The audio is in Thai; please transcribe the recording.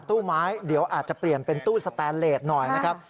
ตู้ไม้เดี๋ยวอาจจะเปลี่ยนเป็นตู้สแตนเลสหน่อยนะครับ